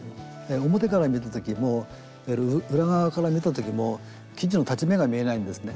表から見た時も裏側から見た時も生地の裁ち目が見えないんですね。